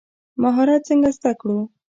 مهارت څنګه زده کړو؟